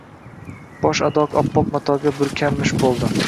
Bosh-adoq oppoq matoga burkanmish bo‘ldi.